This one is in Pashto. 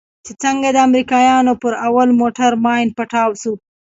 چې څنگه د امريکانو پر اول موټر ماين پټاو سو.